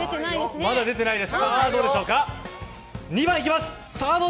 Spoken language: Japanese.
まだ出てないです！